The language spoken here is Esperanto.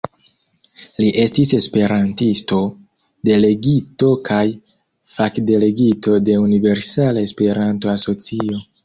Li estis esperantisto, delegito kaj fakdelegito de Universala Esperanto-Asocio.